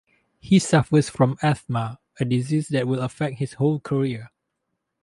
He suffers from asthma, a disease that will affect his whole career.